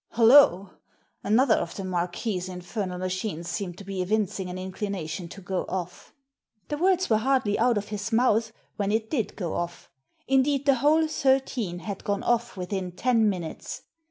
Hollo, another of the Marquis's infernal machines seems to be evincing an inclination to go off." The words were hardly out of his mouth when it did go off; indeed, the whole thirteen had gone off within ten minutes.